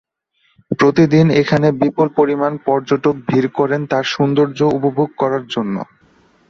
প্রতিদিন এখানে বিপুল পরিমাণ পর্যটক ভীড় করেন এর সৌন্দর্য উপভোগ করার জন্য।